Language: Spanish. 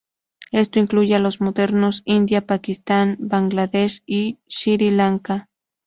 Esto incluye a los modernos India, Pakistán, Bangladesh y Sri Lanka.